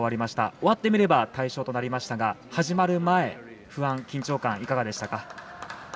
終わってみれば大勝となりましたが始まる前、不安、緊張感いかがでしたか。